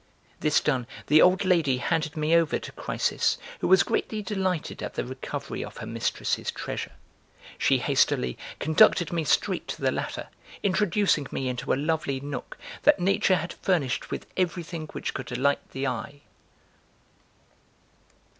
(This done, the old lady handed me over to Chrysis, who was greatly delighted at the recovery of her mistress's treasure; she hastily conducted me straight to the latter, introducing me into a lovely nook that nature had furnished with everything which could delight the eye.)